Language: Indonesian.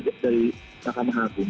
dari mahkamah agung